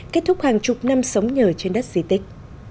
kết thúc hàng chục năm sống nhờ trên đất di tích